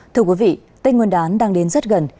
thưa quý vị tây nguyên đán đang đến rất gần